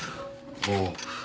ああ。